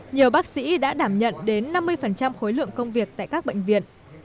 nhiều bác sĩ đã đảm nhận đến năm mươi khối lượng công việc tại các bệnh viện